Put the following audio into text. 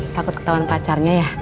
takut ketauan pacarnya ya